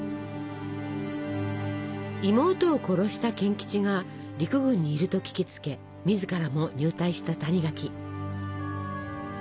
妹を殺した賢吉が陸軍にいると聞きつけ自らも入隊した谷垣。